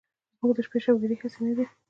زمونږ د شپې شوګيرې هسې نه دي